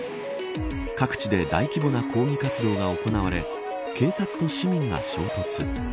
各地で大規模な抗議活動が行われ警察と市民が衝突。